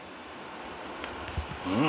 うん！